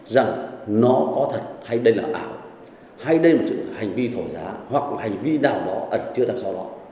rằng nó có thật hay đây là ảo hay đây là một sự hành vi thổi giá hoặc hành vi nào đó ẩn chứa đằng sau đó